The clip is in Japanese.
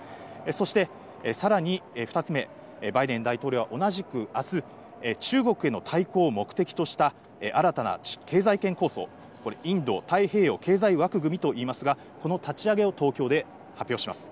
そして、さらに２つ目、バイデン大統領は同じく、あす、中国への対抗を目的とした、新たな経済圏構想、これ、インド太平洋経済枠組みといいますが、この立ち上げを東京で発表します。